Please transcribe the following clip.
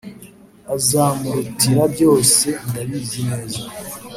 azamurutira byose ndabizi neza